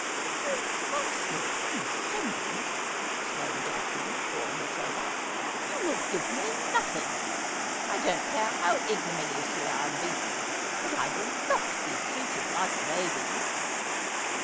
' You are vastly condescending,' exclaimed Daphne, drawing 128 Asphodel. herself up. ' You will give me nothing ! I don't care how ignominiously I am beaten ; but I will not be treated like a baby.'